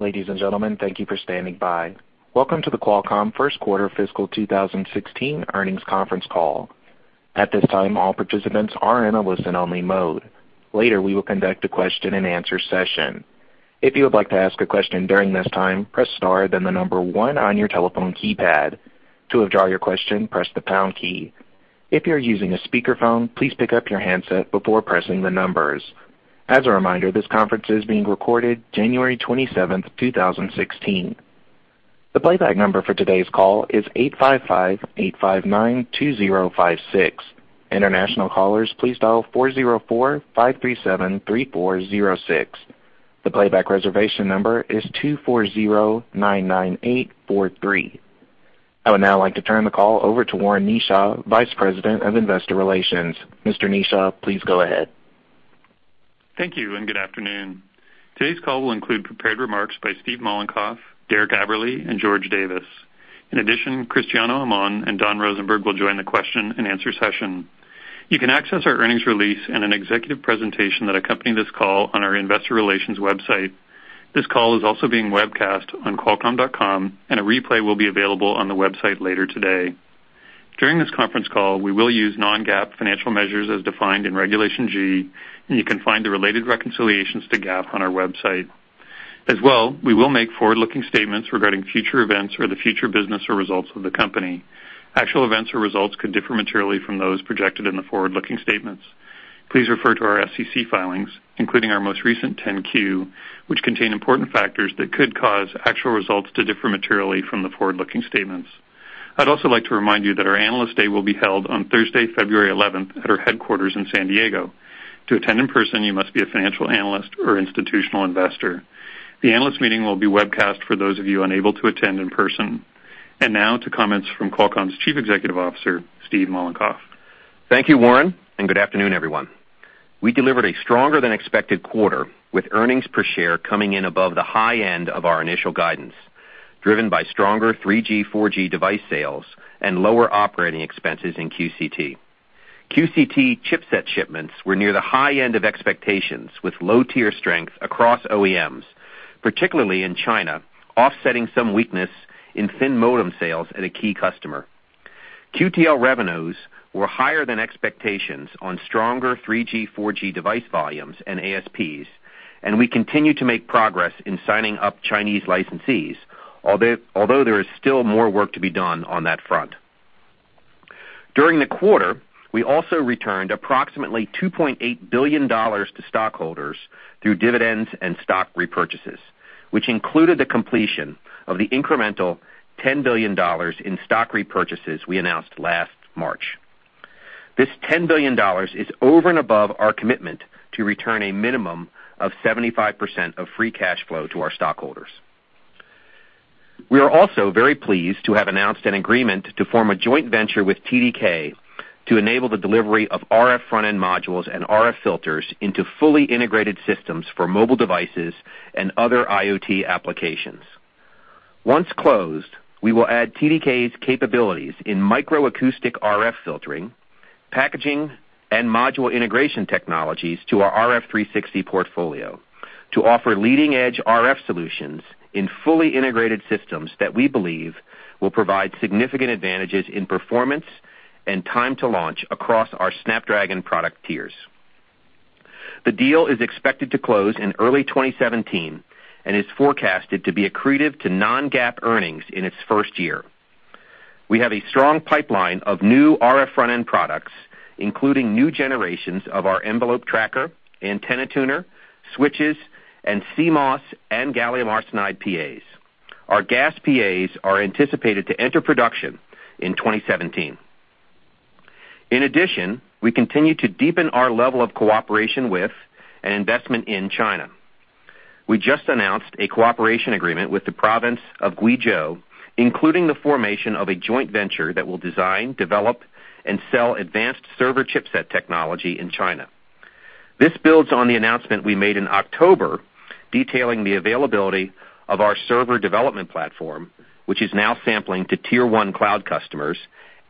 Ladies and gentlemen, thank you for standing by. Welcome to the Qualcomm first quarter fiscal 2016 earnings conference call. At this time, all participants are in a listen-only mode. Later, we will conduct a question-and-answer session. If you would like to ask a question during this time, press star, then the number one on your telephone keypad. To withdraw your question, press the pound key. If you're using a speakerphone, please pick up your handset before pressing the numbers. As a reminder, this conference is being recorded January 27th, 2016. The playback number for today's call is 855-859-2056. International callers, please dial 404-537-3406. The playback reservation number is 24099843. I would now like to turn the call over to Warren Kneeshaw, Vice President of Investor Relations. Mr. Kneeshaw, please go ahead. Thank you. Good afternoon. Today's call will include prepared remarks by Steve Mollenkopf, Derek Aberle, and George Davis. In addition, Cristiano Amon and Don Rosenberg will join the question-and-answer session. You can access our earnings release and an executive presentation that accompany this call on our investor relations website. This call is also being webcast on qualcomm.com, a replay will be available on the website later today. During this conference call, we will use non-GAAP financial measures as defined in Regulation G, and you can find the related reconciliations to GAAP on our website. We will make forward-looking statements regarding future events or the future business or results of the company. Actual events or results could differ materially from those projected in the forward-looking statements. Please refer to our SEC filings, including our most recent 10-Q, which contain important factors that could cause actual results to differ materially from the forward-looking statements. I'd also like to remind you that our Analyst Day will be held on Thursday, February 11th, at our headquarters in San Diego. To attend in person, you must be a financial analyst or institutional investor. The analyst meeting will be webcast for those of you unable to attend in person. Now, to comments from Qualcomm's Chief Executive Officer, Steve Mollenkopf. Thank you, Warren. Good afternoon, everyone. We delivered a stronger than expected quarter, with earnings per share coming in above the high end of our initial guidance, driven by stronger 3G, 4G device sales and lower operating expenses in QCT. QCT chipset shipments were near the high end of expectations, with low-tier strength across OEMs, particularly in China, offsetting some weakness in thin modem sales at a key customer. QTL revenues were higher than expectations on stronger 3G, 4G device volumes and ASPs, we continue to make progress in signing up Chinese licensees, although there is still more work to be done on that front. During the quarter, we also returned approximately $2.8 billion to stockholders through dividends and stock repurchases, which included the completion of the incremental $10 billion in stock repurchases we announced last March. This $10 billion is over and above our commitment to return a minimum of 75% of free cash flow to our stockholders. We are also very pleased to have announced an agreement to form a joint venture with TDK to enable the delivery of RF front-end modules and RF filters into fully integrated systems for mobile devices and other IoT applications. Once closed, we will add TDK's capabilities in micro acoustic RF filtering, packaging, and module integration technologies to our RF360 portfolio to offer leading-edge RF solutions in fully integrated systems that we believe will provide significant advantages in performance and time to launch across our Snapdragon product tiers. The deal is expected to close in early 2017 and is forecasted to be accretive to non-GAAP earnings in its first year. We have a strong pipeline of new RF front-end products, including new generations of our envelope tracker, antenna tuner, switches, CMOS and gallium arsenide PAs. Our GaAs PAs are anticipated to enter production in 2017. In addition, we continue to deepen our level of cooperation with and investment in China. We just announced a cooperation agreement with the province of Guizhou, including the formation of a joint venture that will design, develop, and sell advanced server chipset technology in China. This builds on the announcement we made in October detailing the availability of our server development platform, which is now sampling to tier 1 cloud customers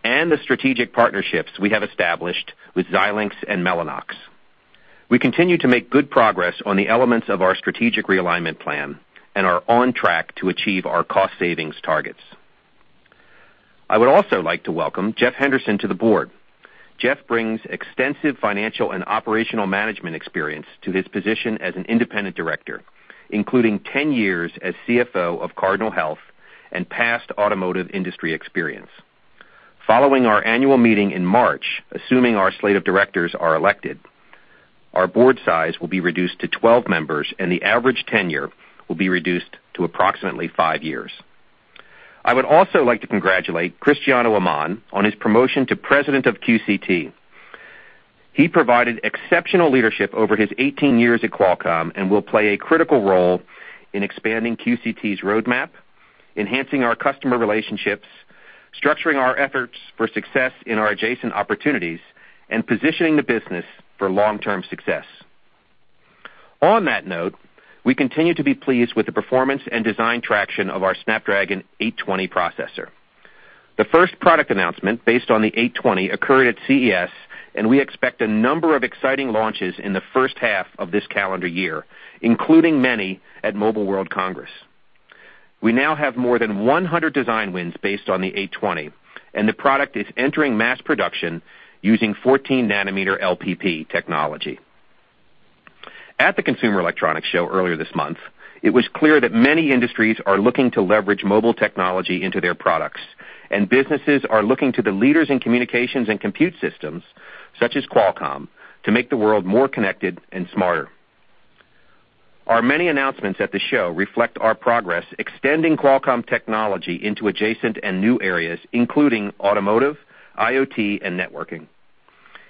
and the strategic partnerships we have established with Xilinx and Mellanox. We continue to make good progress on the elements of our strategic realignment plan and are on track to achieve our cost savings targets. I would also like to welcome Jeff Henderson to the board. Jeff brings extensive financial and operational management experience to his position as an independent director, including 10 years as CFO of Cardinal Health and past automotive industry experience. Following our annual meeting in March, assuming our slate of directors are elected, our board size will be reduced to 12 members, and the average tenure will be reduced to approximately five years. I would also like to congratulate Cristiano Amon on his promotion to President of QCT. He provided exceptional leadership over his 18 years at Qualcomm and will play a critical role in expanding QCT's roadmap, enhancing our customer relationships, structuring our efforts for success in our adjacent opportunities, and positioning the business for long-term success. On that note, we continue to be pleased with the performance and design traction of our Snapdragon 820 processor. The first product announcement based on the 820 occurred at CES, and we expect a number of exciting launches in the first half of this calendar year, including many at Mobile World Congress. We now have more than 100 design wins based on the 820, and the product is entering mass production using 14 nanometer LPP technology. At the Consumer Electronics Show earlier this month, it was clear that many industries are looking to leverage mobile technology into their products, and businesses are looking to the leaders in communications and compute systems, such as Qualcomm, to make the world more connected and smarter. Our many announcements at the show reflect our progress extending Qualcomm technology into adjacent and new areas, including automotive, IoT, and networking.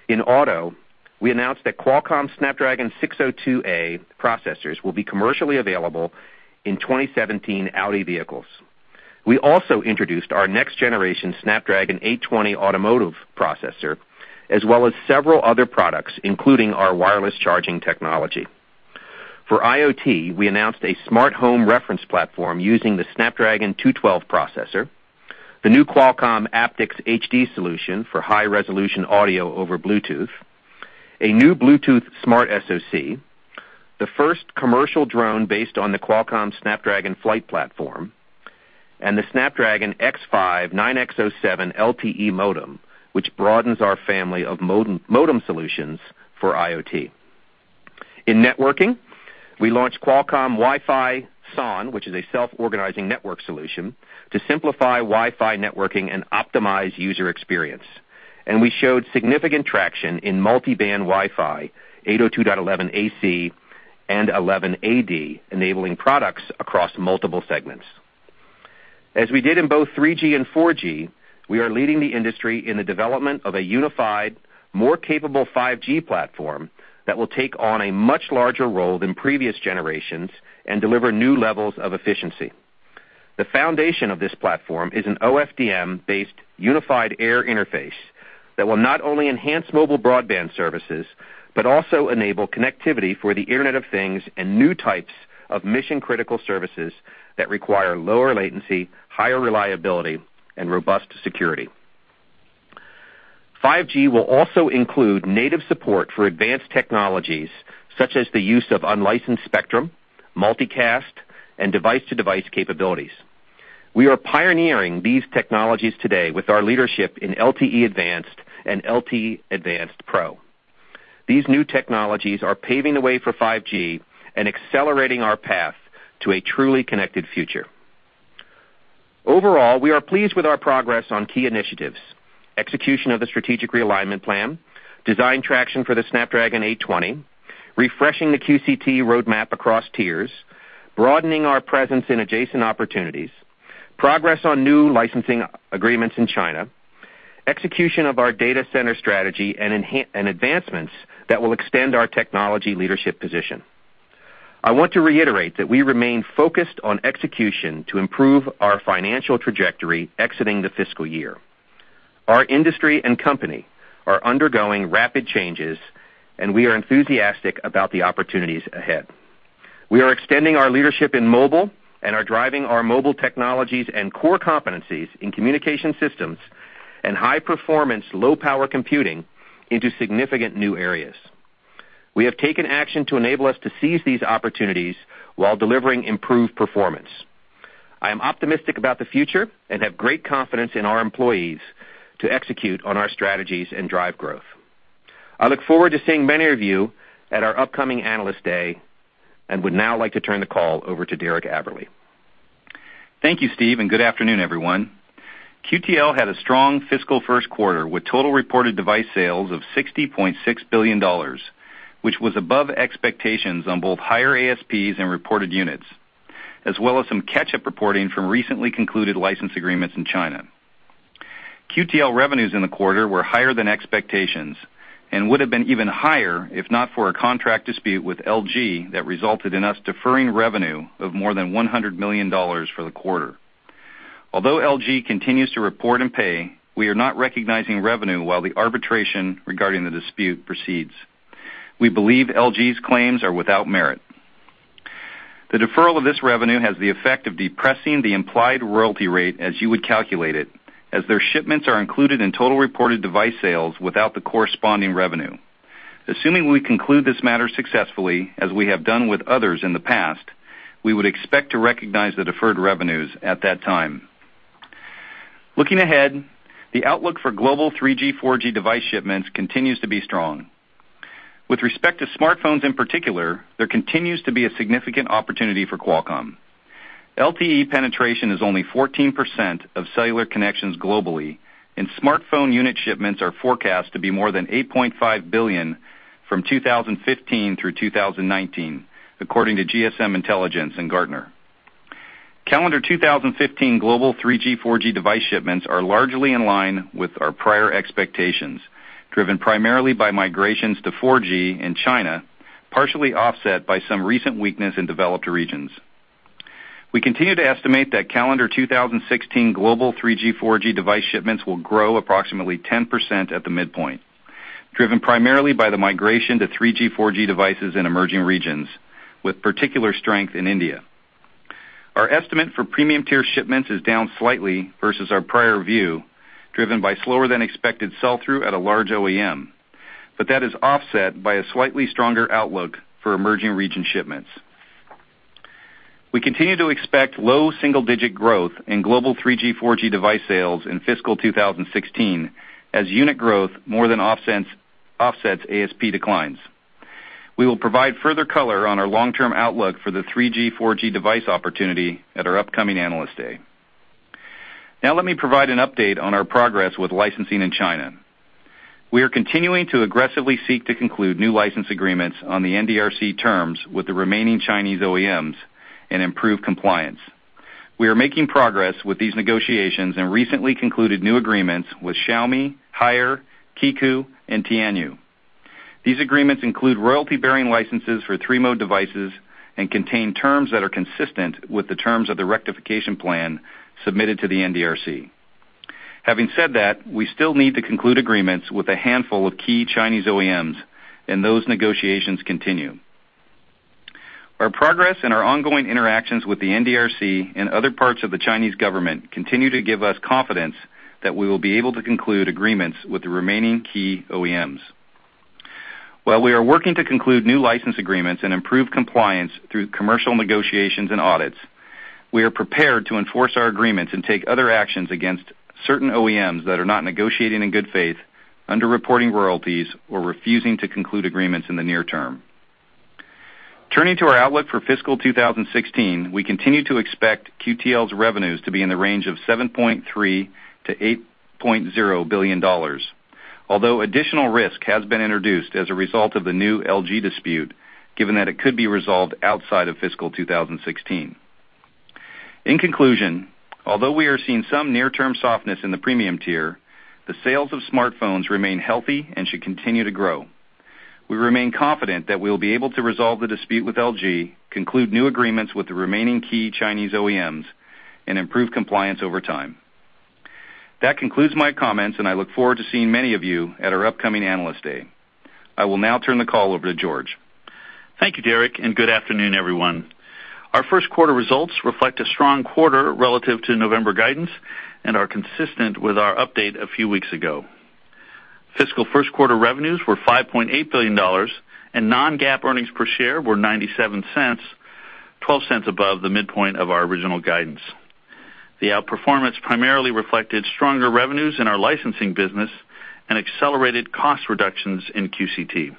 In auto, we announced that Qualcomm Snapdragon 602A processors will be commercially available in 2017 Audi vehicles. We also introduced our next generation Snapdragon 820 automotive processor, as well as several other products, including our wireless charging technology. For IoT, we announced a smart home reference platform using the Snapdragon 212 processor, the new Qualcomm aptX HD solution for high-resolution audio over Bluetooth, a new Bluetooth Smart SoC, the first commercial drone based on the Qualcomm Snapdragon Flight platform, and the Snapdragon X5 9x07 LTE modem, which broadens our family of modem solutions for IoT. In networking, we launched Qualcomm Wi-Fi SON, which is a self-organizing network solution to simplify Wi-Fi networking and optimize user experience. We showed significant traction in multi-band Wi-Fi, 802.11ac and 11ad, enabling products across multiple segments. As we did in both 3G and 4G, we are leading the industry in the development of a unified, more capable 5G platform that will take on a much larger role than previous generations and deliver new levels of efficiency. The foundation of this platform is an OFDM-based unified air interface that will not only enhance mobile broadband services, but also enable connectivity for the Internet of Things and new types of mission-critical services that require lower latency, higher reliability, and robust security. 5G will also include native support for advanced technologies such as the use of unlicensed spectrum, multicast, and device-to-device capabilities. We are pioneering these technologies today with our leadership in LTE Advanced and LTE Advanced Pro. These new technologies are paving the way for 5G and accelerating our path to a truly connected future. Overall, we are pleased with our progress on key initiatives, execution of the strategic realignment plan, design traction for the Snapdragon 820, refreshing the QCT roadmap across tiers, broadening our presence in adjacent opportunities, progress on new licensing agreements in China, execution of our data center strategy and advancements that will extend our technology leadership position. I want to reiterate that we remain focused on execution to improve our financial trajectory exiting the fiscal year. Our industry and company are undergoing rapid changes, and we are enthusiastic about the opportunities ahead. We are extending our leadership in mobile and are driving our mobile technologies and core competencies in communication systems and high performance, low power computing into significant new areas. We have taken action to enable us to seize these opportunities while delivering improved performance. I am optimistic about the future and have great confidence in our employees to execute on our strategies and drive growth. I look forward to seeing many of you at our upcoming Analyst Day and would now like to turn the call over to Derek Aberle. Thank you, Steve. Good afternoon, everyone. QTL had a strong fiscal first quarter with total reported device sales of $60.6 billion, which was above expectations on both higher ASPs and reported units, as well as some catch-up reporting from recently concluded license agreements in China. QTL revenues in the quarter were higher than expectations and would have been even higher if not for a contract dispute with LG that resulted in us deferring revenue of more than $100 million for the quarter. Although LG continues to report and pay, we are not recognizing revenue while the arbitration regarding the dispute proceeds. We believe LG's claims are without merit. The deferral of this revenue has the effect of depressing the implied royalty rate as you would calculate it, as their shipments are included in total reported device sales without the corresponding revenue. Assuming we conclude this matter successfully, as we have done with others in the past, we would expect to recognize the deferred revenues at that time. Looking ahead, the outlook for global 3G, 4G device shipments continues to be strong. With respect to smartphones in particular, there continues to be a significant opportunity for Qualcomm. LTE penetration is only 14% of cellular connections globally. Smartphone unit shipments are forecast to be more than 8.5 billion from 2015 through 2019, according to GSMA Intelligence and Gartner. Calendar 2015 global 3G, 4G device shipments are largely in line with our prior expectations, driven primarily by migrations to 4G in China, partially offset by some recent weakness in developed regions. We continue to estimate that calendar 2016 global 3G, 4G device shipments will grow approximately 10% at the midpoint. Driven primarily by the migration to 3G, 4G devices in emerging regions, with particular strength in India. Our estimate for premium tier shipments is down slightly versus our prior view, driven by slower-than-expected sell-through at a large OEM. That is offset by a slightly stronger outlook for emerging region shipments. We continue to expect low single-digit growth in global 3G, 4G device sales in fiscal 2016 as unit growth more than offsets ASP declines. We will provide further color on our long-term outlook for the 3G, 4G device opportunity at our upcoming Analyst Day. Let me provide an update on our progress with licensing in China. We are continuing to aggressively seek to conclude new license agreements on the NDRC terms with the remaining Chinese OEMs and improve compliance. We are making progress with these negotiations and recently concluded new agreements with Xiaomi, Haier, Qiku, and Tianyu. These agreements include royalty-bearing licenses for three-mode devices and contain terms that are consistent with the terms of the rectification plan submitted to the NDRC. Having said that, we still need to conclude agreements with a handful of key Chinese OEMs, and those negotiations continue. Our progress and our ongoing interactions with the NDRC and other parts of the Chinese government continue to give us confidence that we will be able to conclude agreements with the remaining key OEMs. While we are working to conclude new license agreements and improve compliance through commercial negotiations and audits, we are prepared to enforce our agreements and take other actions against certain OEMs that are not negotiating in good faith, under-reporting royalties, or refusing to conclude agreements in the near term. Turning to our outlook for fiscal 2016, we continue to expect QTL's revenues to be in the range of $7.3 billion to $8.0 billion, although additional risk has been introduced as a result of the new LG dispute, given that it could be resolved outside of fiscal 2016. In conclusion, although we are seeing some near-term softness in the premium tier, the sales of smartphones remain healthy and should continue to grow. We remain confident that we will be able to resolve the dispute with LG, conclude new agreements with the remaining key Chinese OEMs, and improve compliance over time. That concludes my comments, and I look forward to seeing many of you at our upcoming Analyst Day. I will now turn the call over to George. Thank you, Derek, and good afternoon, everyone. Our first quarter results reflect a strong quarter relative to November guidance and are consistent with our update a few weeks ago. Fiscal first quarter revenues were $5.8 billion, and non-GAAP earnings per share were $0.97, $0.12 above the midpoint of our original guidance. The outperformance primarily reflected stronger revenues in our licensing business and accelerated cost reductions in QCT.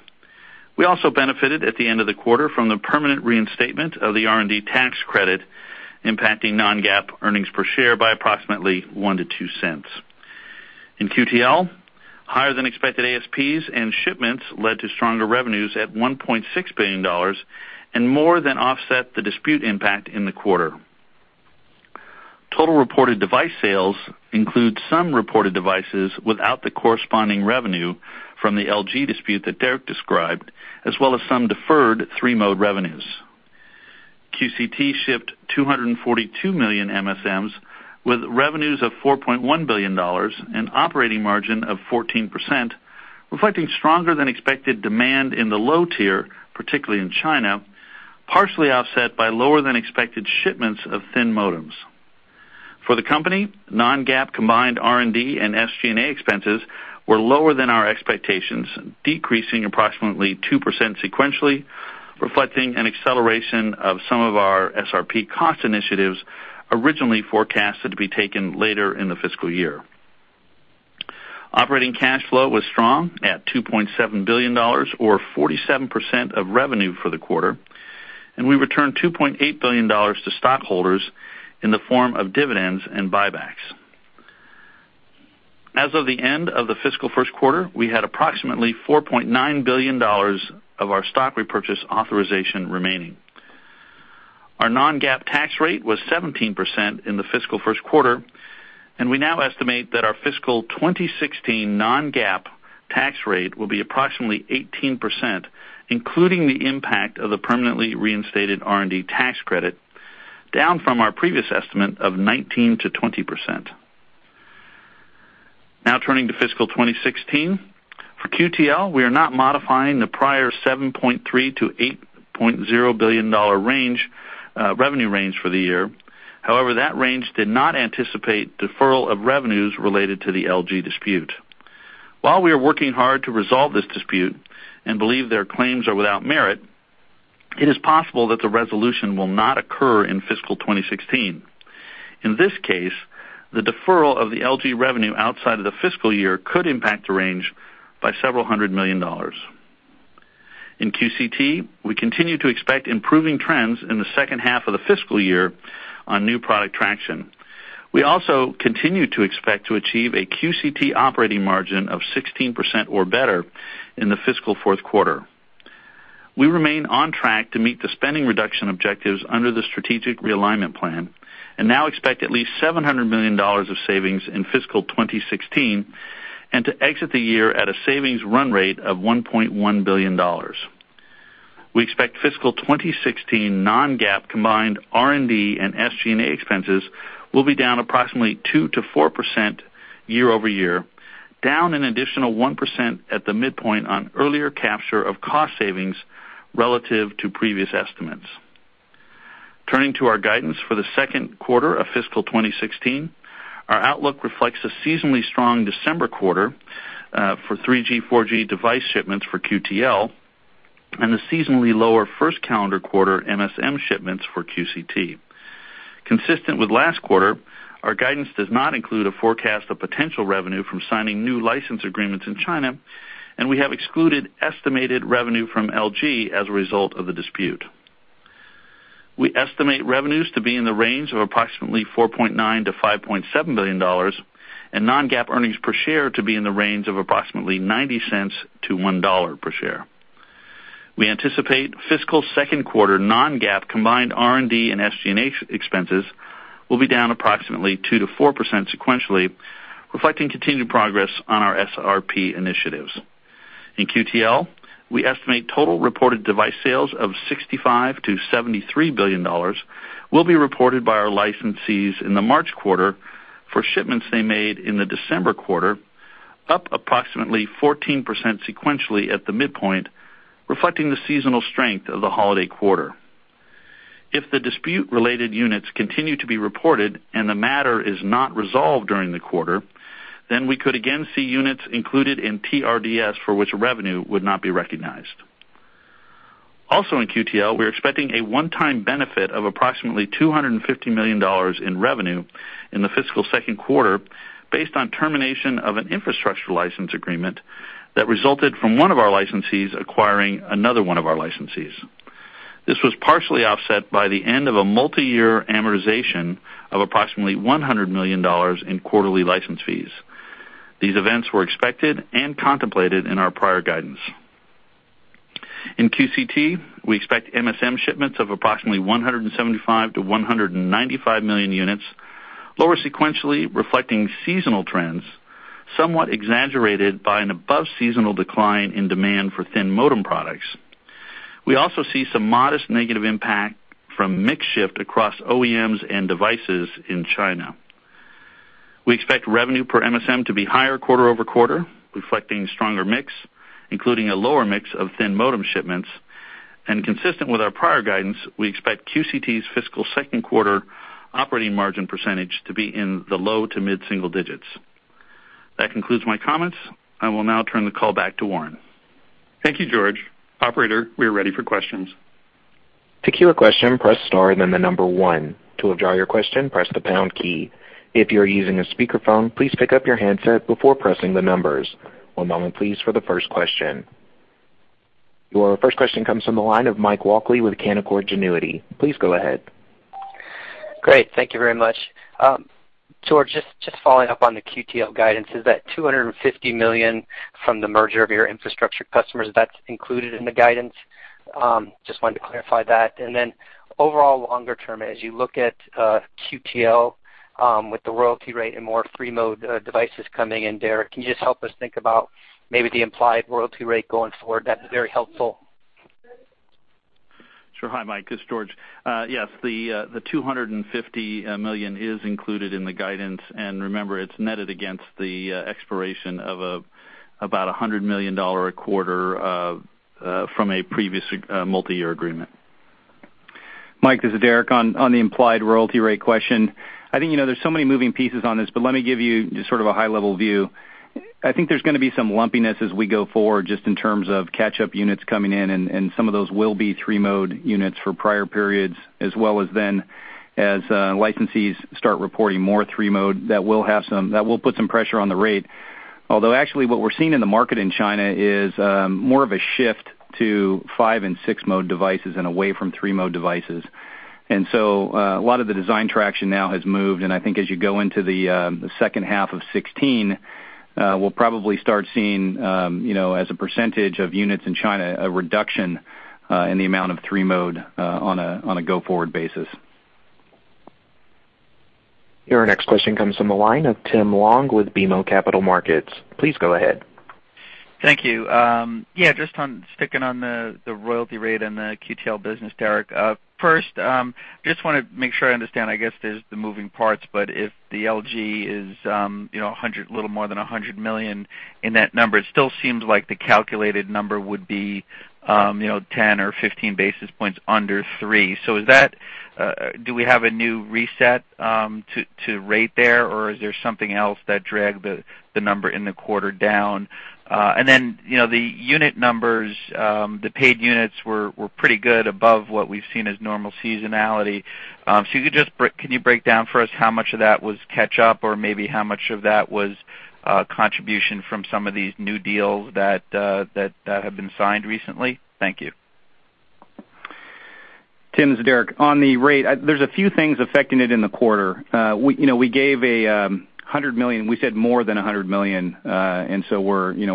We also benefited at the end of the quarter from the permanent reinstatement of the R&D tax credit, impacting non-GAAP earnings per share by approximately $0.01-$0.02. In QTL, higher-than-expected ASPs and shipments led to stronger revenues at $1.6 billion and more than offset the dispute impact in the quarter. Total reported device sales include some reported devices without the corresponding revenue from the LG dispute that Derek described, as well as some deferred three-mode revenues. QCT shipped 242 million MSMs with revenues of $4.1 billion and operating margin of 14%, reflecting stronger-than-expected demand in the low tier, particularly in China, partially offset by lower-than-expected shipments of thin modems. For the company, non-GAAP combined R&D and SG&A expenses were lower than our expectations, decreasing approximately 2% sequentially, reflecting an acceleration of some of our SRP cost initiatives originally forecasted to be taken later in the fiscal year. Operating cash flow was strong at $2.7 billion, or 47% of revenue for the quarter, and we returned $2.8 billion to stockholders in the form of dividends and buybacks. As of the end of the fiscal first quarter, we had approximately $4.9 billion of our stock repurchase authorization remaining. Our non-GAAP tax rate was 17% in the fiscal first quarter, and we now estimate that our fiscal 2016 non-GAAP tax rate will be approximately 18%, including the impact of the permanently reinstated R&D tax credit, down from our previous estimate of 19%-20%. Now turning to fiscal 2016. For QTL, we are not modifying the prior $7.3 billion-$8.0 billion revenue range for the year. However, that range did not anticipate deferral of revenues related to the LG dispute. While we are working hard to resolve this dispute and believe their claims are without merit, it is possible that the resolution will not occur in fiscal 2016. In this case, the deferral of the LG revenue outside of the fiscal year could impact the range by $several hundred million. In QCT, we continue to expect improving trends in the second half of the fiscal year on new product traction. We also continue to expect to achieve a QCT operating margin of 16% or better in the fiscal fourth quarter. We remain on track to meet the spending reduction objectives under the strategic realignment plan and now expect at least $700 million of savings in fiscal 2016 and to exit the year at a savings run rate of $1.1 billion. We expect fiscal 2016 non-GAAP combined R&D and SG&A expenses will be down approximately 2%-4% year-over-year, down an additional 1% at the midpoint on earlier capture of cost savings relative to previous estimates. Turning to our guidance for the second quarter of fiscal 2016, our outlook reflects a seasonally strong December quarter for 3G, 4G device shipments for QTL and a seasonally lower first calendar quarter MSM shipments for QCT. Consistent with last quarter, our guidance does not include a forecast of potential revenue from signing new license agreements in China, and we have excluded estimated revenue from LG as a result of the dispute. We estimate revenues to be in the range of approximately $4.9 billion-$5.7 billion and non-GAAP earnings per share to be in the range of approximately $0.90-$1.00 per share. We anticipate fiscal second quarter non-GAAP combined R&D and SG&A expenses will be down approximately 2%-4% sequentially, reflecting continued progress on our SRP initiatives. In QTL, we estimate total reported device sales of $65 billion-$73 billion will be reported by our licensees in the March quarter for shipments they made in the December quarter, up approximately 14% sequentially at the midpoint, reflecting the seasonal strength of the holiday quarter. If the dispute-related units continue to be reported and the matter is not resolved during the quarter, then we could again see units included in TRDS for which revenue would not be recognized. Also in QTL, we're expecting a one-time benefit of approximately $250 million in revenue in the fiscal second quarter based on termination of an infrastructure license agreement that resulted from one of our licensees acquiring another one of our licensees. This was partially offset by the end of a multi-year amortization of approximately $100 million in quarterly license fees. These events were expected and contemplated in our prior guidance. In QCT, we expect MSM shipments of approximately 175 million to 195 million units, lower sequentially reflecting seasonal trends, somewhat exaggerated by an above-seasonal decline in demand for thin modem products. We also see some modest negative impact from mix shift across OEMs and devices in China. We expect revenue per MSM to be higher quarter-over-quarter, reflecting stronger mix, including a lower mix of thin modem shipments. Consistent with our prior guidance, we expect QCT's fiscal second quarter operating margin percentage to be in the low to mid-single digits. That concludes my comments. I will now turn the call back to Warren. Thank you, George. Operator, we are ready for questions. To queue a question, press star, then 1. To withdraw your question, press the pound key. If you are using a speakerphone, please pick up your handset before pressing the numbers. One moment, please, for the first question. Your first question comes from the line of Mike Walkley with Canaccord Genuity. Please go ahead. Great. Thank you very much. George, just following up on the QTL guidance, is that $250 million from the merger of your infrastructure customers, that's included in the guidance? Just wanted to clarify that. Overall, longer term, as you look at QTL with the royalty rate and more three-mode devices coming in, Derek, can you just help us think about maybe the implied royalty rate going forward? That's very helpful. Sure. Hi, Mike. This is George. Yes, the $250 million is included in the guidance, remember, it's netted against the expiration of about $100 million a quarter from a previous multi-year agreement. Mike, this is Derek. On the implied royalty rate question, I think there's so many moving pieces on this, let me give you just sort of a high-level view. I think there's going to be some lumpiness as we go forward just in terms of catch-up units coming in, some of those will be three-mode units for prior periods as well as then as licensees start reporting more three-mode, that will put some pressure on the rate. Although actually what we're seeing in the market in China is more of a shift to five- and six-mode devices and away from three-mode devices. A lot of the design traction now has moved, I think as you go into the second half of 2016, we'll probably start seeing, as a percentage of units in China, a reduction in the amount of three-mode on a go-forward basis. Your next question comes from the line of Tim Long with BMO Capital Markets. Please go ahead. Thank you. Just on sticking on the royalty rate and the QTL business, Derek. First, just want to make sure I understand, I guess there's the moving parts, if the LG is a little more than $100 million in that number, it still seems like the calculated number would be 10 or 15 basis points under three. Do we have a new reset to rate there, or is there something else that dragged the number in the quarter down? The unit numbers, the paid units were pretty good above what we've seen as normal seasonality. Can you break down for us how much of that was catch-up or maybe how much of that was contribution from some of these new deals that have been signed recently? Thank you. Tim, this is Derek Aberle. On the rate, there's a few things affecting it in the quarter. We gave $100 million. We said more than $100 million,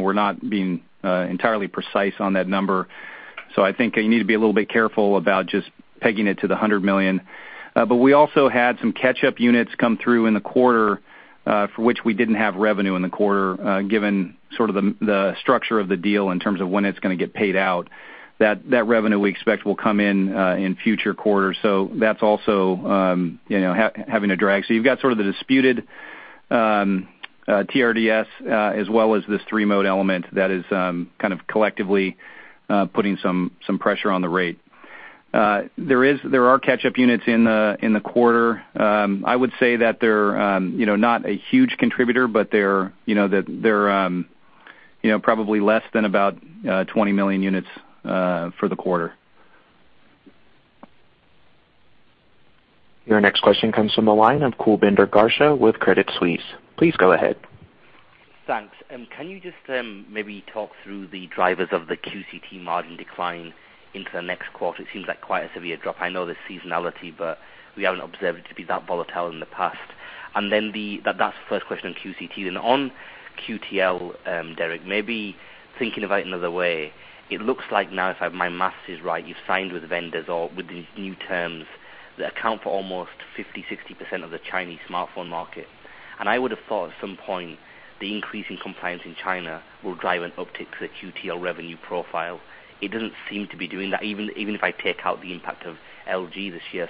we're not being entirely precise on that number. I think you need to be a little bit careful about just pegging it to the $100 million. We also had some catch-up units come through in the quarter For which we didn't have revenue in the quarter, given sort of the structure of the deal in terms of when it's going to get paid out, that revenue we expect will come in future quarters. That's also having a drag. You've got sort of the disputed TRDS as well as this three-mode element that is kind of collectively putting some pressure on the rate. There are catch-up units in the quarter. I would say that they're not a huge contributor, but they're probably less than about 20 million units for the quarter. Your next question comes from the line of Kulbinder Garcha with Credit Suisse. Please go ahead. Thanks. Can you just maybe talk through the drivers of the QCT margin decline into the next quarter? It seems like quite a severe drop. I know there's seasonality, we haven't observed it to be that volatile in the past. That's the first question on QCT. Then on QTL, Derek Aberle, maybe thinking about it another way, it looks like now, if my math is right, you've signed with vendors or with these new terms that account for almost 50%-60% of the Chinese smartphone market. I would have thought at some point the increase in compliance in China will drive an uptick to the QTL revenue profile. It doesn't seem to be doing that, even if I take out the impact of LG this year.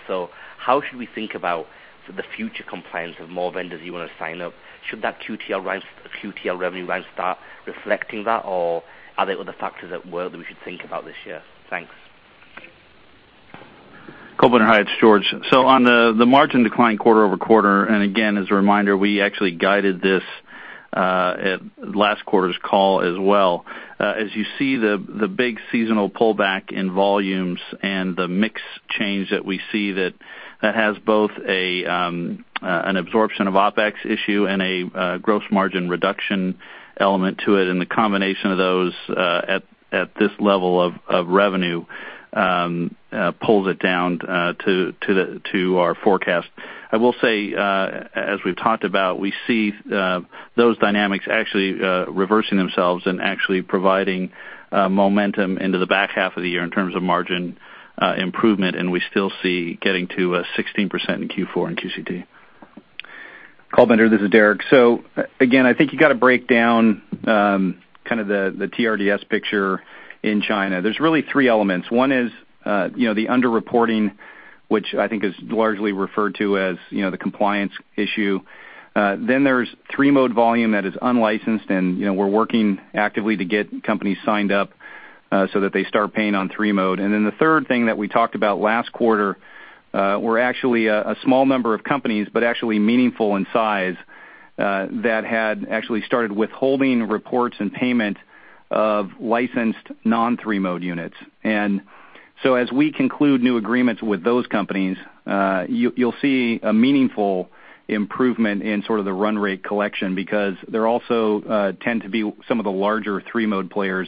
How should we think about sort of the future compliance of more vendors you want to sign up? Should that QTL revenue rise start reflecting that? Are there other factors at work that we should think about this year? Thanks. Kulbinder, hi, it's George. On the margin decline quarter-over-quarter, and again, as a reminder, we actually guided this at last quarter's call as well. As you see the big seasonal pullback in volumes and the mix change that we see that has both an absorption of OpEx issue and a gross margin reduction element to it. The combination of those at this level of revenue pulls it down to our forecast. I will say, as we've talked about, we see those dynamics actually reversing themselves and actually providing momentum into the back half of the year in terms of margin improvement, and we still see getting to 16% in Q4 in QCT. Kulbinder, this is Derek. Again, I think you got to break down kind of the TRDS picture in China. There's really 3 elements. One is the under-reporting, which I think is largely referred to as the compliance issue. There's three-mode volume that is unlicensed, and we're working actively to get companies signed up so that they start paying on three-mode. The third thing that we talked about last quarter were actually a small number of companies, but actually meaningful in size, that had actually started withholding reports and payment of licensed non-three-mode units. As we conclude new agreements with those companies, you'll see a meaningful improvement in sort of the run rate collection because they also tend to be some of the larger three-mode players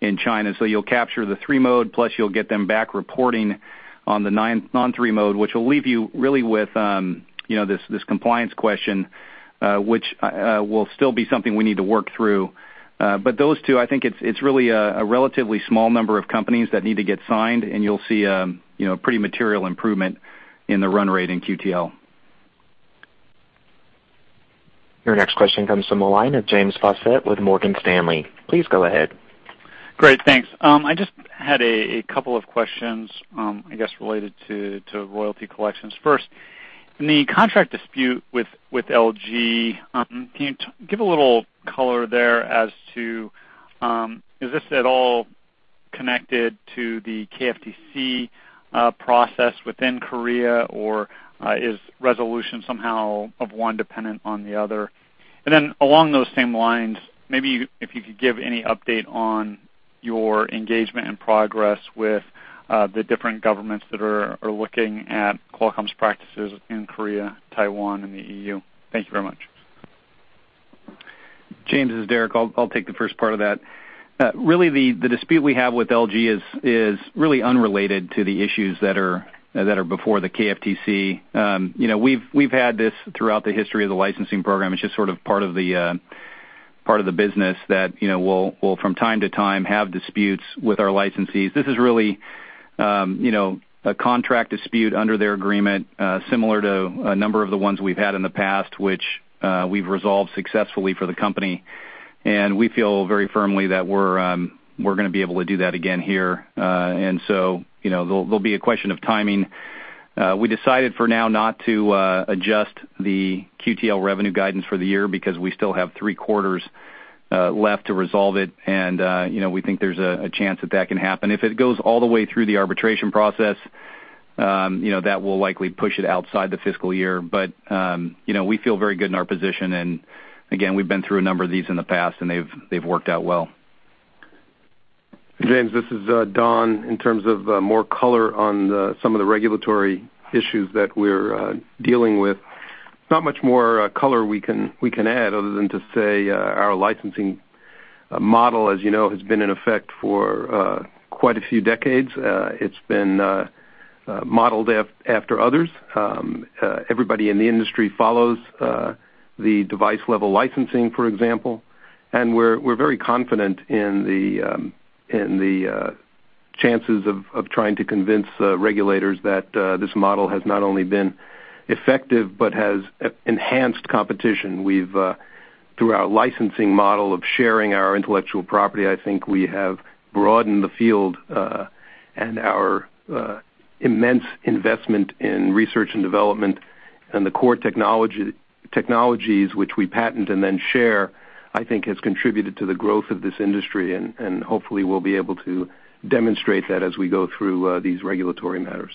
in China. You'll capture the three-mode, plus you'll get them back reporting on the non-three-mode, which will leave you really with this compliance question, which will still be something we need to work through. Those two, I think it's really a relatively small number of companies that need to get signed, and you'll see a pretty material improvement in the run rate in QTL. Your next question comes from the line of James Faucette with Morgan Stanley. Please go ahead. Great. Thanks. I just had a couple of questions, I guess, related to royalty collections. First, in the contract dispute with LG, can you give a little color there as to, is this at all connected to the KFTC process within Korea, or is resolution somehow of one dependent on the other? Then along those same lines, maybe if you could give any update on your engagement and progress with the different governments that are looking at Qualcomm's practices in Korea, Taiwan and the EU. Thank you very much. James, this is Derek. I'll take the first part of that. Really, the dispute we have with LG is really unrelated to the issues that are before the KFTC. We've had this throughout the history of the licensing program. It's just sort of part of the business that we'll from time to time have disputes with our licensees. This is really a contract dispute under their agreement, similar to a number of the ones we've had in the past, which we've resolved successfully for the company. We feel very firmly that we're going to be able to do that again here. There'll be a question of timing. We decided for now not to adjust the QTL revenue guidance for the year because we still have three quarters left to resolve it, and we think there's a chance that that can happen. If it goes all the way through the arbitration process, that will likely push it outside the fiscal year. We feel very good in our position. Again, we've been through a number of these in the past, and they've worked out well. James, this is Don. In terms of more color on some of the regulatory issues that we're dealing with, not much more color we can add other than to say our licensing model, as you know, has been in effect for quite a few decades. It's been modeled after others. Everybody in the industry follows the device-level licensing, for example, and we're very confident in the chances of trying to convince regulators that this model has not only been effective but has enhanced competition. Through our licensing model of sharing our intellectual property, I think we have broadened the field, and our immense investment in research and development and the core technologies which we patent and then share, I think has contributed to the growth of this industry, and hopefully we'll be able to demonstrate that as we go through these regulatory matters.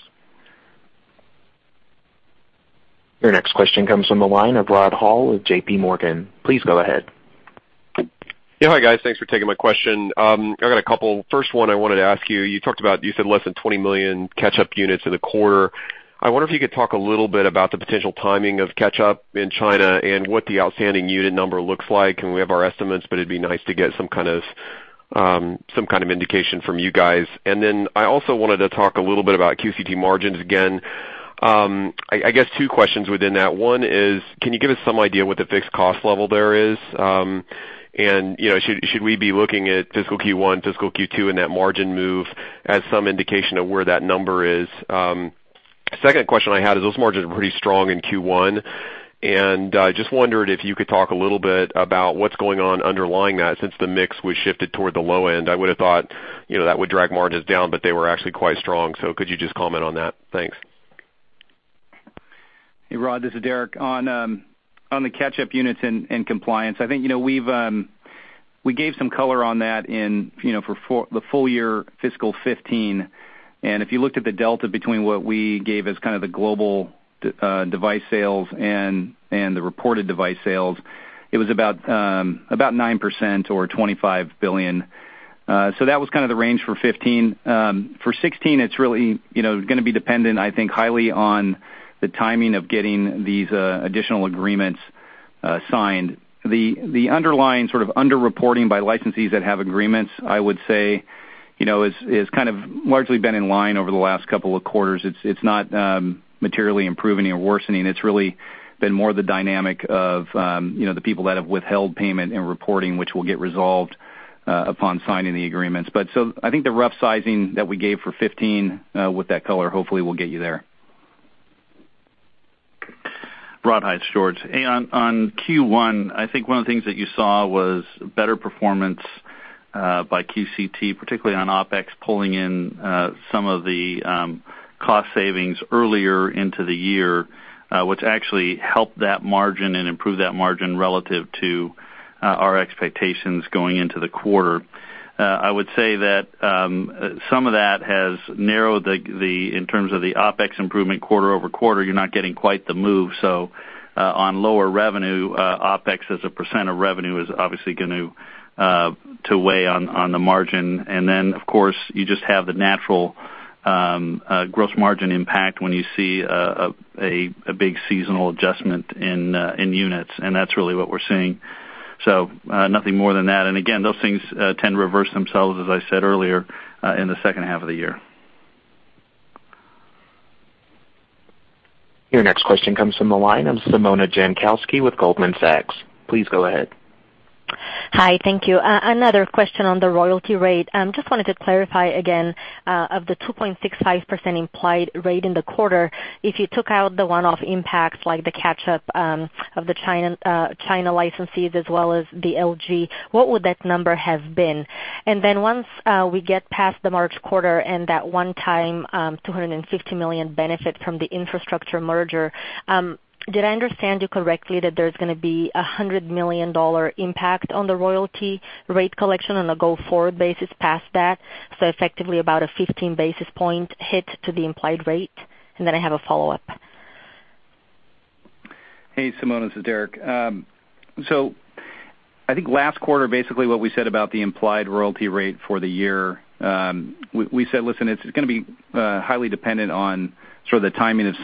Your next question comes from the line of Rod Hall with JPMorgan. Please go ahead. Yeah. Hi, guys. Thanks for taking my question. I got a couple. First one I wanted to ask you said less than 20 million catch-up units in the quarter. I wonder if you could talk a little bit about the potential timing of catch-up in China and what the outstanding unit number looks like. We have our estimates, but it'd be nice to get some kind of indication from you guys. I also wanted to talk a little bit about QCT margins again. I guess two questions within that. One is, can you give us some idea what the fixed cost level there is? Should we be looking at fiscal Q1, fiscal Q2, and that margin move as some indication of where that number is? Second question I had is those margins were pretty strong in Q1. Just wondered if you could talk a little bit about what's going on underlying that since the mix was shifted toward the low end. I would've thought that would drag margins down. They were actually quite strong. Could you just comment on that? Thanks. Hey, Rod, this is Derek. On the catch-up units and compliance, I think we gave some color on that in the full year fiscal 2015. If you looked at the delta between what we gave as kind of the global device sales and the reported device sales, it was about 9% or $25 billion. That was kind of the range for 2015. For 2016, it's really going to be dependent, I think, highly on the timing of getting these additional agreements signed. The underlying sort of under-reporting by licensees that have agreements, I would say, has kind of largely been in line over the last couple of quarters. It's not materially improving or worsening. It's really been more the dynamic of the people that have withheld payment and reporting, which will get resolved upon signing the agreements. I think the rough sizing that we gave for 2015 with that color hopefully will get you there. Rod, hi, it's George. On Q1, I think one of the things that you saw was better performance by QCT, particularly on OpEx, pulling in some of the cost savings earlier into the year, which actually helped that margin and improved that margin relative to our expectations going into the quarter. I would say that some of that has narrowed in terms of the OpEx improvement quarter-over-quarter. You're not getting quite the move. On lower revenue, OpEx as a % of revenue is obviously going to weigh on the margin. Then, of course, you just have the natural gross margin impact when you see a big seasonal adjustment in units, and that's really what we're seeing. Nothing more than that. Again, those things tend to reverse themselves, as I said earlier, in the second half of the year. Your next question comes from the line of Simona Jankowski with Goldman Sachs. Please go ahead. Hi. Thank you. Another question on the royalty rate. Just wanted to clarify again, of the 2.65% implied rate in the quarter, if you took out the one-off impacts, like the catch-up of the China licensees as well as the LG, what would that number have been? Once we get past the March quarter and that one-time $250 million benefit from the infrastructure merger, did I understand you correctly that there's gonna be a $100 million impact on the royalty rate collection on a go-forward basis past that, so effectively about a 15 basis point hit to the implied rate? I have a follow-up. Hey, Simona, this is Derek. I think last quarter, basically what we said about the implied royalty rate for the year, we said, listen, it's gonna be highly dependent on sort of the timing of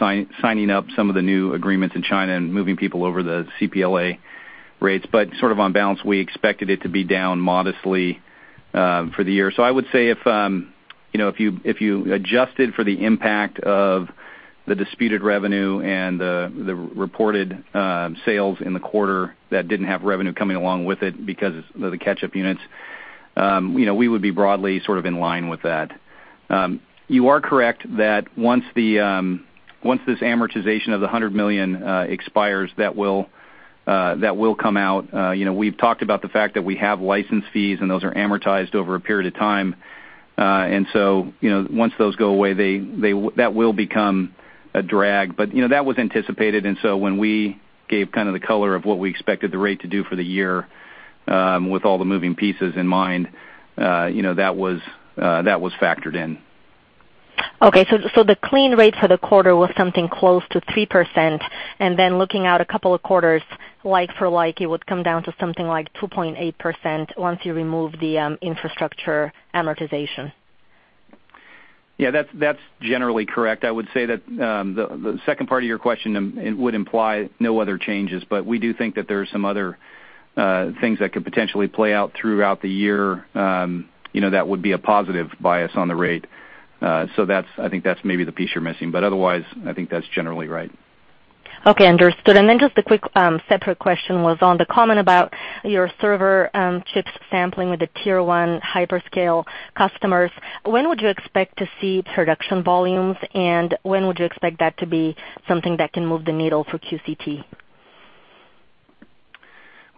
signing up some of the new agreements in China and moving people over the CPLA rates. On balance, we expected it to be down modestly for the year. I would say if you adjusted for the impact of the disputed revenue and the reported sales in the quarter that didn't have revenue coming along with it because of the catch-up units, we would be broadly sort of in line with that. You are correct that once this amortization of the $100 million expires, that will come out. We've talked about the fact that we have license fees, and those are amortized over a period of time. Once those go away, that will become a drag. That was anticipated, and so when we gave kind of the color of what we expected the rate to do for the year with all the moving pieces in mind, that was factored in. Okay, the clean rate for the quarter was something close to 3%, and looking out a couple of quarters like for like, it would come down to something like 2.8% once you remove the infrastructure amortization. Yeah, that's generally correct. I would say that the second part of your question would imply no other changes, we do think that there are some other things that could potentially play out throughout the year that would be a positive bias on the rate. I think that's maybe the piece you're missing. Otherwise, I think that's generally right. Okay, understood. Then just a quick separate question was on the comment about your server chips sampling with the tier 1 hyperscale customers. When would you expect to see production volumes, and when would you expect that to be something that can move the needle for QCT?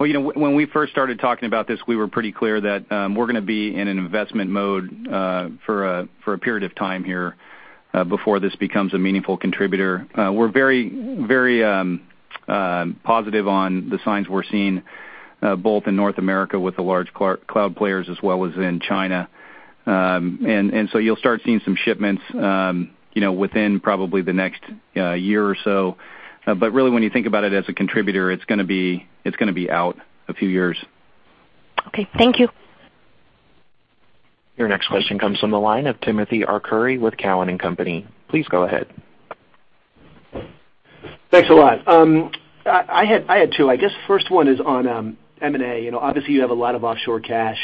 Well, when we first started talking about this, we were pretty clear that we're going to be in an investment mode for a period of time here before this becomes a meaningful contributor. We're very positive on the signs we're seeing, both in North America with the large cloud players as well as in China. You'll start seeing some shipments within probably the next year or so. Really, when you think about it as a contributor, it's going to be out a few years. Okay, thank you. Your next question comes from the line of Timothy Arcuri with Cowen and Company. Please go ahead. Thanks a lot. I had two. I guess first one is on M&A. Obviously, you have a lot of offshore cash,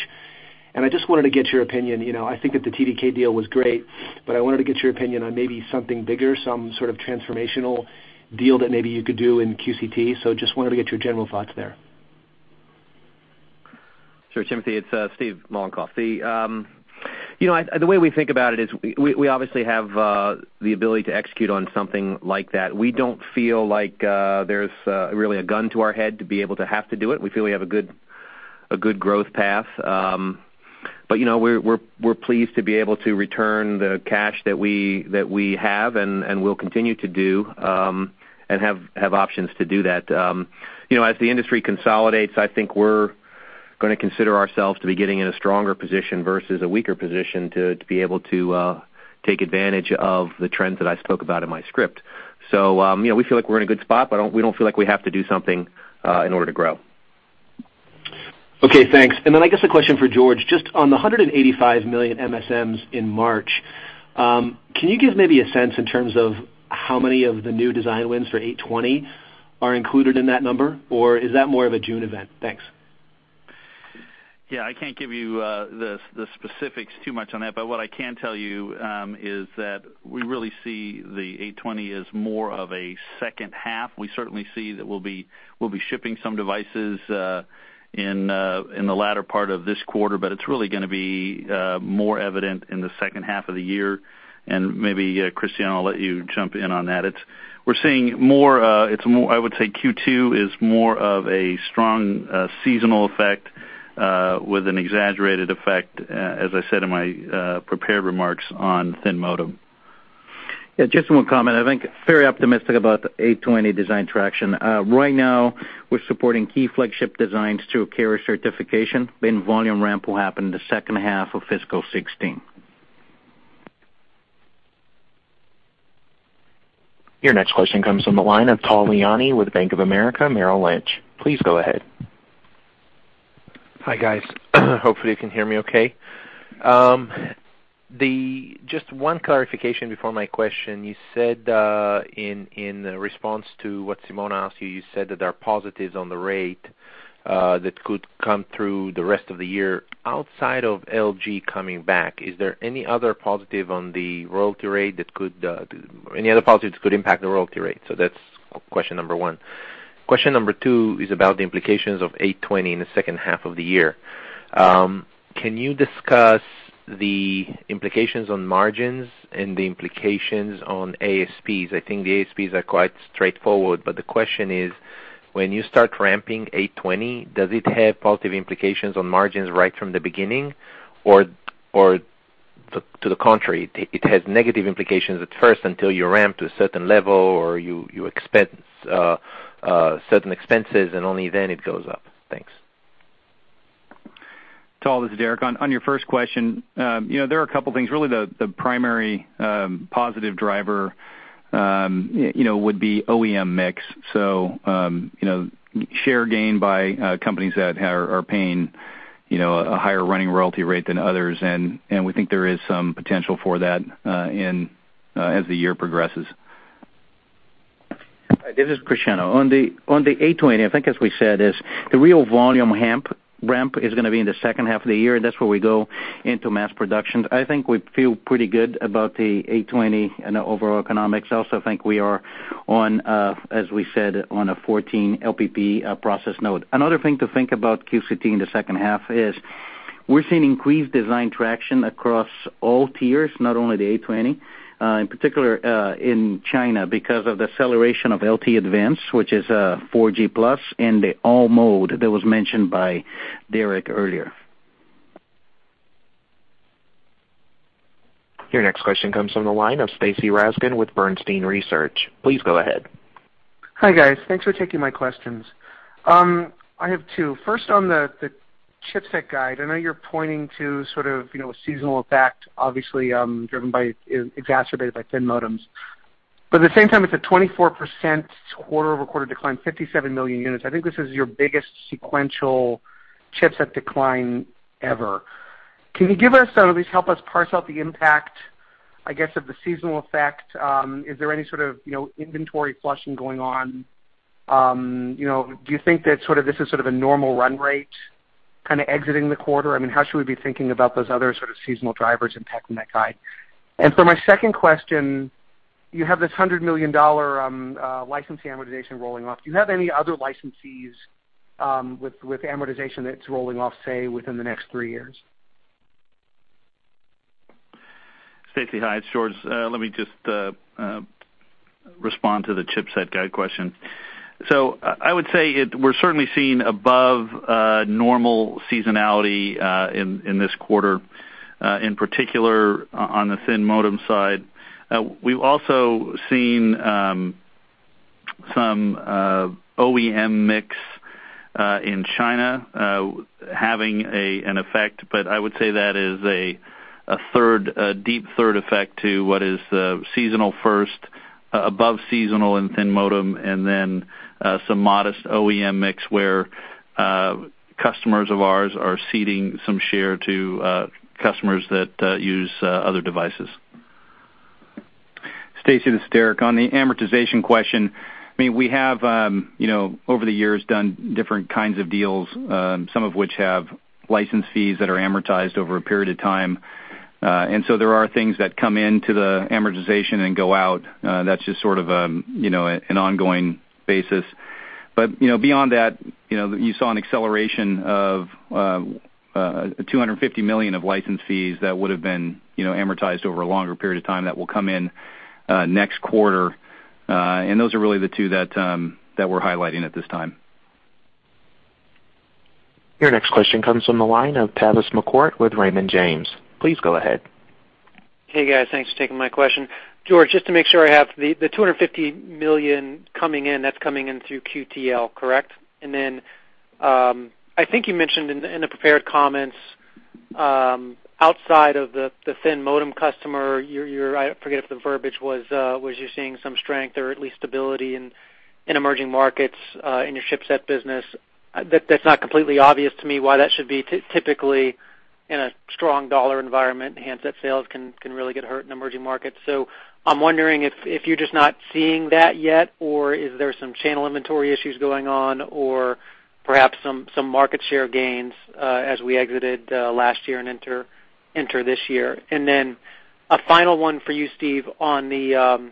and I just wanted to get your opinion. I think that the TDK deal was great, but I wanted to get your opinion on maybe something bigger, some sort of transformational deal that maybe you could do in QCT. Just wanted to get your general thoughts there. Sure, Timothy, it's Steve Mollenkopf. The way we think about it is we obviously have the ability to execute on something like that. We don't feel like there's really a gun to our head to be able to have to do it. We feel we have a good growth path. We're pleased to be able to return the cash that we have and will continue to do, and have options to do that. As the industry consolidates, I think we're going to consider ourselves to be getting in a stronger position versus a weaker position to be able to take advantage of the trends that I spoke about in my script. We feel like we're in a good spot, but we don't feel like we have to do something in order to grow. I guess a question for George, just on the 185 million MSMs in March, can you give maybe a sense in terms of how many of the new design wins for Snapdragon 820 are included in that number, or is that more of a June event? Thanks. What I can tell you is that we really see the Snapdragon 820 as more of a second half. We certainly see that we'll be shipping some devices in the latter part of this quarter, but it's really going to be more evident in the second half of the year. Maybe, Cristiano Amon, I'll let you jump in on that. I would say Q2 is more of a strong seasonal effect with an exaggerated effect, as I said in my prepared remarks on thin modem. Just one comment. I think very optimistic about the Snapdragon 820 design traction. Right now, we're supporting key flagship designs through carrier certification, then volume ramp will happen in the second half of fiscal 2016. Your next question comes from the line of Tal Liani with Bank of America, Merrill Lynch. Please go ahead. Hi, guys. Hopefully you can hear me okay. Just one clarification before my question. You said in response to what Simona asked you said that there are positives on the rate that could come through the rest of the year. Outside of LG coming back, is there any other positive on the royalty rate that could impact the royalty rate? That's question number 1. Question number 2 is about the implications of 820 in the second half of the year. Can you discuss the implications on margins and the implications on ASPs? I think the ASPs are quite straightforward, but the question is, when you start ramping 820, does it have positive implications on margins right from the beginning? To the contrary, it has negative implications at first until you ramp to a certain level, or you expect certain expenses, and only then it goes up? Thanks. Tal, this is Derek. On your first question, there are a couple things. Really, the primary positive driver would be OEM mix. Share gain by companies that are paying a higher running royalty rate than others, and we think there is some potential for that as the year progresses. This is Cristiano. On the 820, I think as we said, is the real volume ramp is going to be in the second half of the year, and that's where we go into mass production. I think we feel pretty good about the 820 and the overall economics. I also think we are, as we said, on a 14 LPP process node. Another thing to think about QCT in the second half is we're seeing increased design traction across all tiers, not only the 820, in particular in China because of the acceleration of LTE Advanced, which is a 4G plus and the all-mode that was mentioned by Derek earlier. Your next question comes from the line of Stacy Rasgon with Bernstein Research. Please go ahead. Hi, guys. Thanks for taking my questions. I have two. First on the chipset guide, I know you're pointing to sort of a seasonal effect, obviously exacerbated by thin modems. At the same time, it's a 24% quarter-over-quarter decline, 57 million units. I think this is your biggest sequential chipset decline ever. Can you give us or at least help us parse out the impact, I guess, of the seasonal effect? Is there any sort of inventory flushing going on? Do you think that this is a normal run rate exiting the quarter? How should we be thinking about those other sort of seasonal drivers impacting that guide? For my second question, you have this $100 million license fee amortization rolling off. Do you have any other license fees with amortization that's rolling off, say, within the next three years? Stacy, hi, it's George. Let me just respond to the chipset guide question. I would say we're certainly seeing above normal seasonality in this quarter, in particular on the thin modem side. We've also seen some OEM mix in China having an effect, but I would say that is a deep third effect to what is seasonal first, above seasonal and thin modem, and then some modest OEM mix where customers of ours are ceding some share to customers that use other devices. Stacy, this is Derek. On the amortization question, we have over the years done different kinds of deals, some of which have license fees that are amortized over a period of time. There are things that come into the amortization and go out. That's just sort of an ongoing basis. Beyond that, you saw an acceleration of $250 million of license fees that would've been amortized over a longer period of time that will come in next quarter. Those are really the two that we're highlighting at this time. Your next question comes from the line of Tavis McCourt with Raymond James. Please go ahead. Hey, guys. Thanks for taking my question. George, just to make sure I have the $250 million coming in, that's coming in through QTL, correct? Then, I think you mentioned in the prepared comments outside of the thin modem customer, I forget if the verbiage was you're seeing some strength or at least stability in emerging markets in your chipset business. That's not completely obvious to me why that should be typically in a strong dollar environment, handset sales can really get hurt in emerging markets. I'm wondering if you're just not seeing that yet or is there some channel inventory issues going on or perhaps some market share gains as we exited last year and enter this year. Then a final one for you, Steve, on the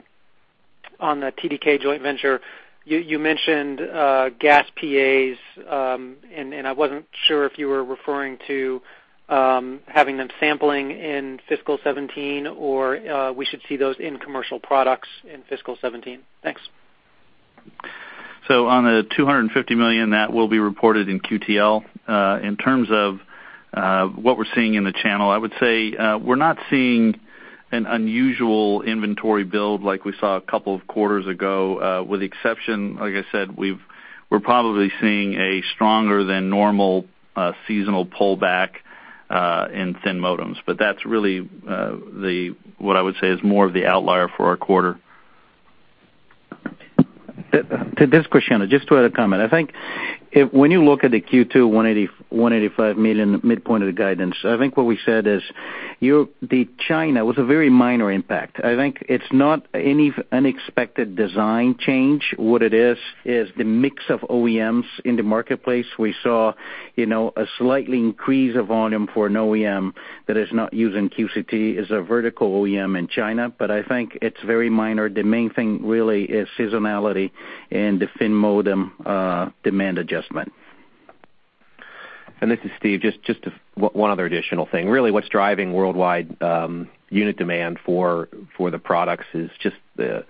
TDK joint venture. You mentioned GaAs PAs and I wasn't sure if you were referring to having them sampling in fiscal 2017 or we should see those in commercial products in fiscal 2017. Thanks. On the $250 million, that will be reported in QTL. In terms of what we're seeing in the channel, I would say we're not seeing an unusual inventory build like we saw a couple of quarters ago with the exception, like I said, we're probably seeing a stronger than normal seasonal pullback in thin modems, that's really what I would say is more of the outlier for our quarter. To this question, just to add a comment. I think when you look at the Q2 $185 million midpoint of the guidance, I think what we said is China was a very minor impact. I think it's not any unexpected design change. What it is the mix of OEMs in the marketplace. We saw a slight increase of volume for an OEM that is not using QCT as a vertical OEM in China, but I think it's very minor. The main thing really is seasonality and the thin modem demand adjustment. This is Steve, just one other additional thing. Really what's driving worldwide unit demand for the products is just the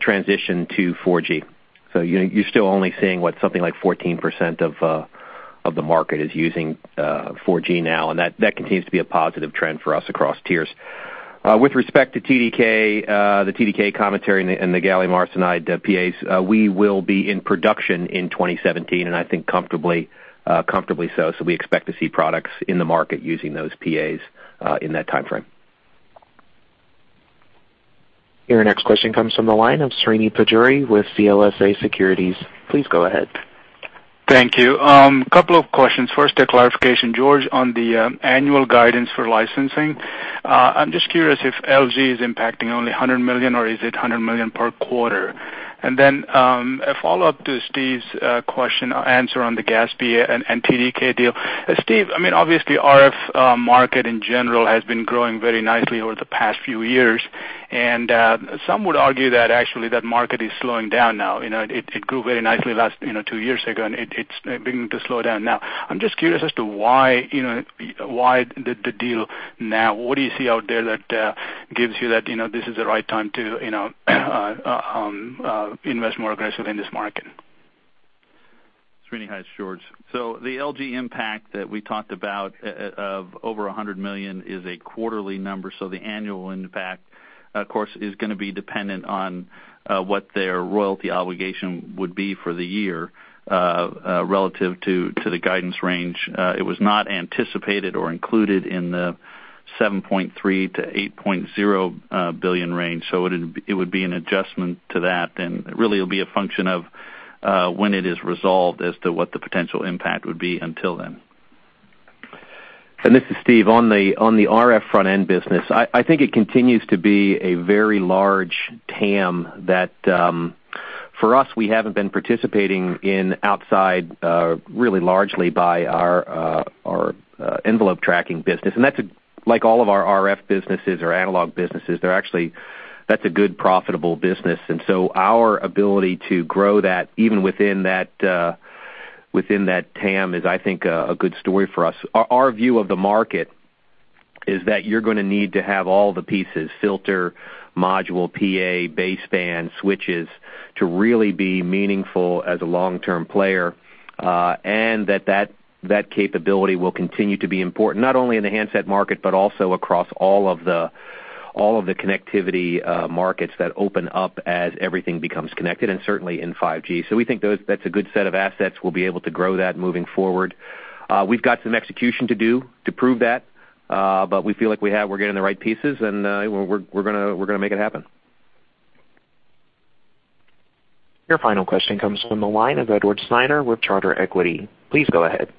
transition to 4G. You're still only seeing what something like 14% of the market is using 4G now, and that continues to be a positive trend for us across tiers. With respect to TDK, the TDK commentary and the Gallium Arsenide PAs, we will be in production in 2017 and I think comfortably so. We expect to see products in the market using those PAs in that timeframe. Your next question comes from the line of Srini Pajjuri with CLSA Securities. Please go ahead. Thank you. Couple of questions. First, a clarification, George, on the annual guidance for licensing. I'm just curious if LG is impacting only $100 million or is it $100 million per quarter? A follow-up to Steve's answer on the GaAs PA and TDK deal. Steve, obviously RF market in general has been growing very nicely over the past few years, and some would argue that actually that market is slowing down now. It grew very nicely two years ago and it's beginning to slow down now. I'm just curious as to why the deal now. What do you see out there that gives you that this is the right time to invest more aggressively in this market? Srini, hi, it's George. The LG impact that we talked about of over $100 million is a quarterly number. The annual impact, of course, is gonna be dependent on what their royalty obligation would be for the year relative to the guidance range. It was not anticipated or included in the $7.3 billion-$8.0 billion range. It would be an adjustment to that then. Really it'll be a function of when it is resolved as to what the potential impact would be until then. This is Steve. On the RF front-end business, I think it continues to be a very large TAM that, for us, we haven't been participating in outside really largely by our envelope tracking business. That's like all of our RF businesses or analog businesses. That's a good profitable business. Our ability to grow that, even within that TAM, is I think a good story for us. Our view of the market is that you're going to need to have all the pieces, filter, module, PA, baseband, switches, to really be meaningful as a long-term player, and that capability will continue to be important not only in the handset market, but also across all of the connectivity markets that open up as everything becomes connected, and certainly in 5G. We think that's a good set of assets. We'll be able to grow that moving forward. We've got some execution to do to prove that. We feel like we're getting the right pieces and we're going to make it happen. Your final question comes from the line of Edward Snyder with Charter Equity. Please go ahead.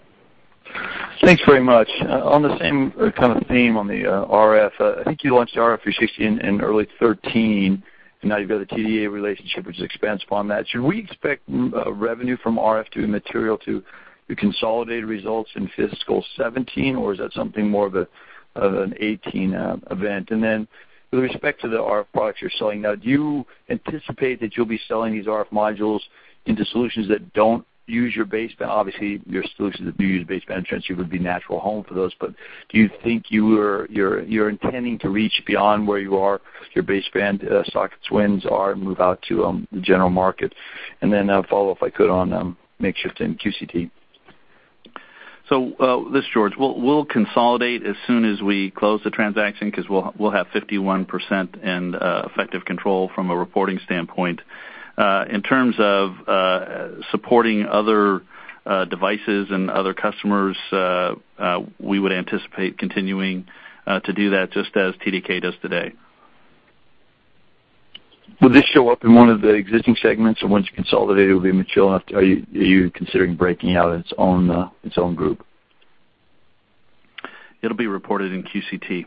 Thanks very much. On the same kind of theme on the RF, I think you launched RF360 in early 2013, now you've got a TDK relationship which is expansive on that. Should we expect revenue from RF to be material to the consolidated results in fiscal 2017, or is that something more of an 2018 event? With respect to the RF products you're selling now, do you anticipate that you'll be selling these RF modules into solutions that don't use your baseband? Obviously, your solutions that do use baseband transceiver would be natural home for those, do you think you're intending to reach beyond where you are, your baseband sockets wins are, and move out to the general market? A follow, if I could, on mix shift in QCT. This is George. We'll consolidate as soon as we close the transaction because we'll have 51% and effective control from a reporting standpoint. In terms of supporting other devices and other customers, we would anticipate continuing to do that just as TDK does today. Will this show up in one of the existing segments, and once you consolidate, it will be mature enough? Are you considering breaking out its own group? It'll be reported in QCT.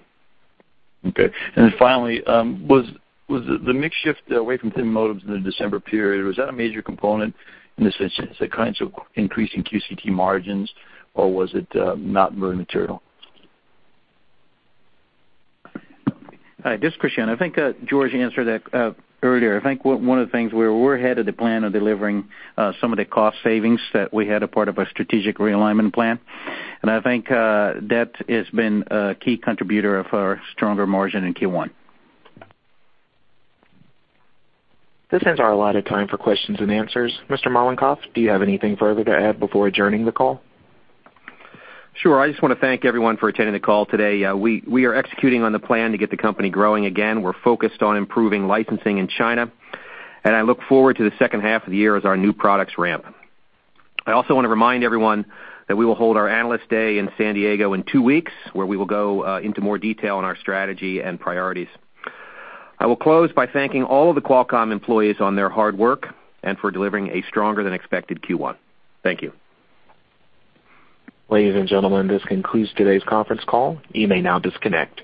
Okay. Finally, was the mix shift away from thin modems in the December period, was that a major component in this instance that kinds of increasing QCT margins, or was it not really material? Hi, this is Cristiano. I think George answered that earlier. I think one of the things, we're ahead of the plan of delivering some of the cost savings that we had a part of our strategic realignment plan. I think that has been a key contributor of our stronger margin in Q1. This ends our allotted time for questions and answers. Mr. Mollenkopf, do you have anything further to add before adjourning the call? Sure. I just want to thank everyone for attending the call today. We are executing on the plan to get the company growing again. We're focused on improving licensing in China, I look forward to the second half of the year as our new products ramp. I also want to remind everyone that we will hold our Analyst Day in San Diego in two weeks, where we will go into more detail on our strategy and priorities. I will close by thanking all of the Qualcomm employees on their hard work and for delivering a stronger than expected Q1. Thank you. Ladies and gentlemen, this concludes today's conference call. You may now disconnect.